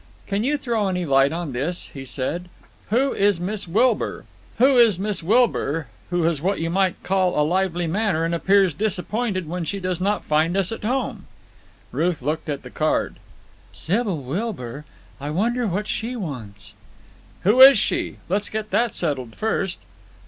"Can you throw any light on this?" he said. "Who is Miss Wilbur, who has what you might call a lively manner and appears disappointed when she does not find us at home?" Ruth looked at the card. "Sybil Wilbur? I wonder what she wants." "Who is she? Let's get that settled first."